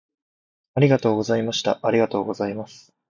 ありがとうございました。ありがとうございます。